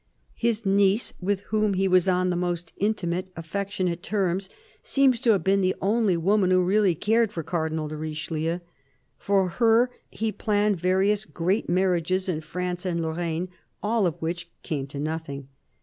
His niece, with whom he was on the most intimate, affectionate terms, seems to have been the only woman who really cared for Cardinal de Richeheu. For her he planned various great marriages in France and Lorraine, aU of which came to nothing.